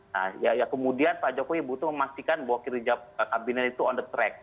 nah ya kemudian pak jokowi butuh memastikan bahwa kinerja kabinet itu on the track